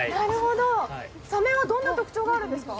サメはどんな特徴があるんですか？